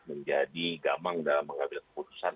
menjadi gamang dalam mengambil keputusan